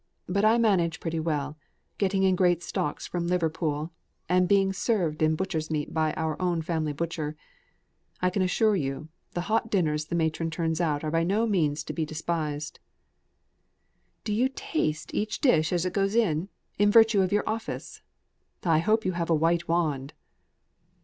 But I manage pretty well, getting in great stocks from Liverpool, and being served in butcher's meat by our own family butcher. I can assure you, the hot dinners the matron turns out are not to be despised." "Do you taste each dish as it goes in, in virtue of your office? I hope you have a white wand."